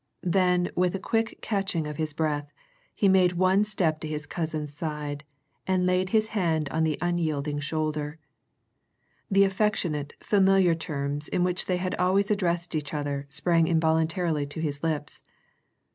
Then, with a quick catching of his breath, he made one step to his cousin's side and laid his hand on the unyielding shoulder. The affectionate, familiar terms in which they had always addressed each other sprang involuntarily to his lips.